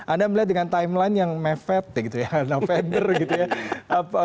anda melihat dengan timeline yang mepet gitu ya